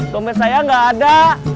dompet saya gak ada